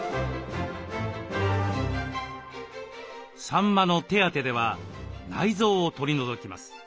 さんまの「手当て」では内臓を取り除きます。